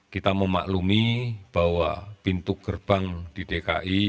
kita memaklumi bahwa pintu gerbang di dki